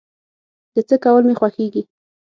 د څه کول مې خوښيږي؟